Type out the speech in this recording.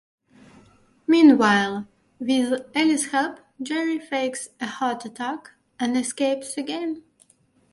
Meanwhile, with Alice's help, Jerry fakes a heart attack and escapes again.